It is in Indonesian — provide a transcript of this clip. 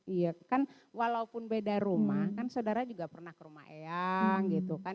iya kan walaupun beda rumah kan saudara juga pernah ke rumah eyang gitu kan